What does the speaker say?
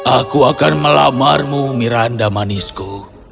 aku akan melamarmu miranda manisku